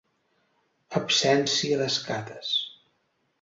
Absència d'escates.